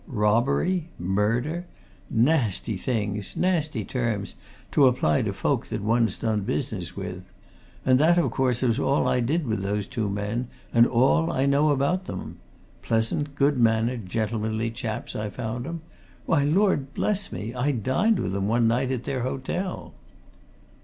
"Robbery? Murder? Nasty things, nasty terms to apply to folk that one's done business with. And that, of course, was all that I did with those two men, and all I know about them. Pleasant, good mannered, gentlemanly chaps I found 'em why, Lord bless me, I dined with 'em one night at their hotel!"